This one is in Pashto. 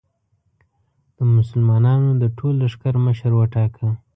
د مسلمانانو د ټول لښکر مشر وټاکه.